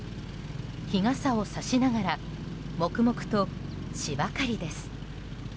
日傘をさしながら黙々と芝刈りです。